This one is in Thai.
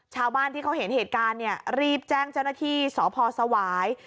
ชาวบ้านที่เขาเห็นเหตุการณ์เนี่ยรีบแจ้งเจ้าหน้าที่สพสวาย